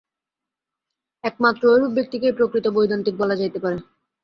একমাত্র ঐরূপ ব্যক্তিকেই প্রকৃত বৈদান্তিক বলা যাইতে পারে।